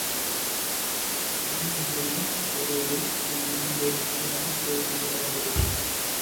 பல மேடைகளில் அவரோடு, வெண்டையாகப் பேசுகிறவள்.